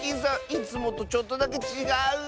いつもとちょっとだけちがう！